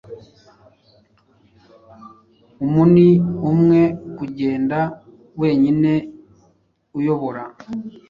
Umuni umwe, kugenda wenyine, uyobora